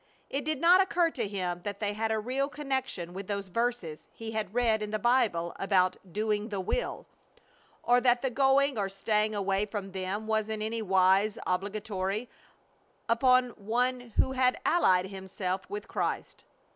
It did not occur to him that they had a real connection with those verses he had read in the Bible about "doing the will," or that the going or staying away from them was in any wise obligatory upon one who had allied himself with Christ.